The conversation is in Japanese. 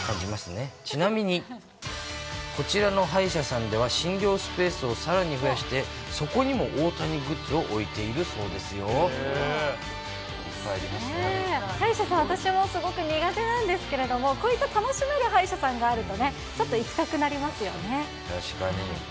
ちなみに、こちらの歯医者さんでは、診療スペースをさらに増やして、そこにも大谷グッズを置いている歯医者さん、私もすごく苦手なんですけれども、こういった楽しめる歯医者さんがあるとね、確かに。